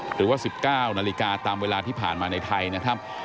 หรือว่า๑๙นาฬิกาตามเวลาที่ผ่านมาในไทยนะครับ